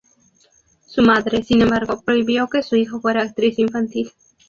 Su madre, sin embargo, prohibió que su hija fuera actriz infantil.